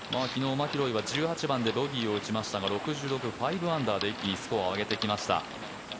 マキロイは１８番でボギーを打ちましたが６６、５アンダーで一気にスコアを挙げてきました。